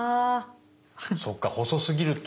そうか細すぎると。